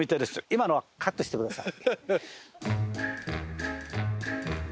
今のはカットしてください。